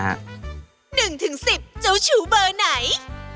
หนึ่งถึงสิบเจ้าชูเบอร์ไหน